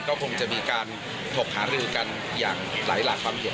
ก็คงจะมีการถกหารือกันอย่างหลายหลักความเห็น